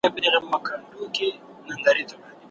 د عینیت قانون د بریالیتوب اساس دی.